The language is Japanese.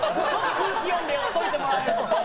空気読んで寄っておいてもらえると。